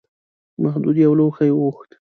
محمد یو لوښی وغوښت.